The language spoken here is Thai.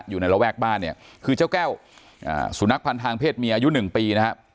อยู่ในระแวกบ้านเนี่ยคือเจ้าแก้วสุนัขพันธ์ทางเพศเมียอายุหนึ่งปีนะฮะ